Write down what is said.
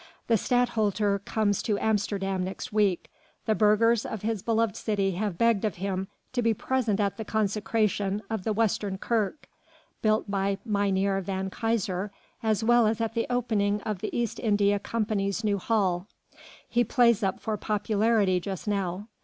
The Stadtholder comes to Amsterdam next week; the burghers of his beloved city have begged of him to be present at the consecration of the Western Kerk, built by Mynheer van Keyser, as well as at the opening of the East India Company's new hall. He plays up for popularity just now.